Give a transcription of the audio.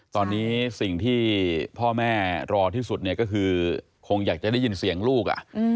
ตอนนี้สิ่งที่พ่อแม่รอที่สุดเนี่ยก็คือคงอยากจะได้ยินเสียงลูก